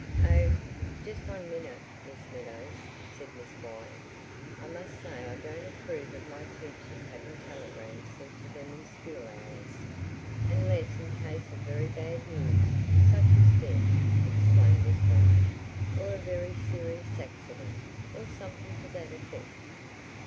"Oh, just one minute, Miss Meadows," said Miss Wyatt. "I must say I don't approve of my teachers having telegrams sent to them in school hours, unless in case of very bad news, such as death," explained Miss Wyatt, "or a very serious accident, or something to that effect.